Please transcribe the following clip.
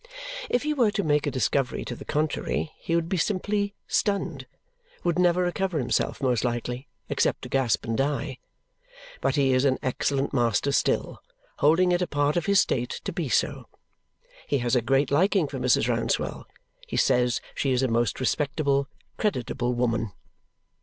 If he were to make a discovery to the contrary, he would be simply stunned would never recover himself, most likely, except to gasp and die. But he is an excellent master still, holding it a part of his state to be so. He has a great liking for Mrs. Rouncewell; he says she is a most respectable, creditable woman.